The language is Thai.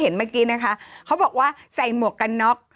เมื่อกี้นะคะเขาบอกว่าใส่หมวกกันน็อก